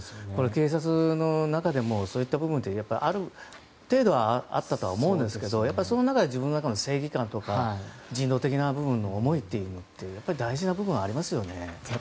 警察の中でもそういった部分はある程度はあったと思うんですけどその中で自分の正義感とか人道的な部分の思いというのはやっぱり大事な部分はありますよね。